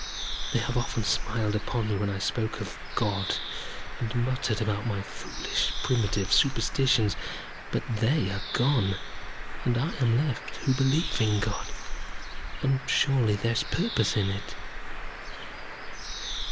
They have often smiled upon me when I spoke of God, and muttered about my foolish, primitive superstitions. But they are gone, and I am left who believe in God, and surely there is purpose in it.